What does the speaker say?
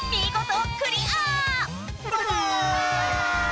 バイバーイ！